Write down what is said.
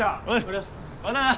またな。